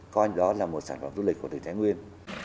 coi đó là một sản phẩm du lịch của tỉnh thái nguyên